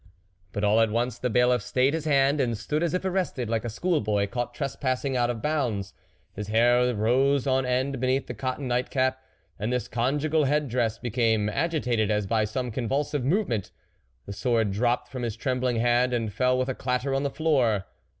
But all at once the Bailiff stayed his hand, and stood as if arrested like a school boy caught trespassing out of bounds; his hair rose on end beneath his cotton night cap, and this conjugal head dress became agitated as by some convulsive movement. The sword dropped from his trembling hand, and fell with a clatter on the floor.